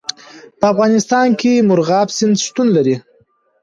په افغانستان کې مورغاب سیند شتون لري.